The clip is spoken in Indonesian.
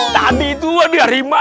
tadi itu ada harimau